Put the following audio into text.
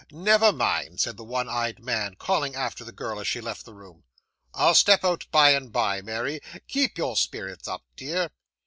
'Never mind,' said the one eyed man, calling after the girl as she left the room. 'I'll step out by and by, Mary. Keep your spirits up, dear.